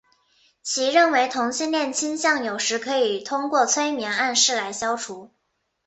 其认为同性恋倾向有时可以通过催眠暗示来消除。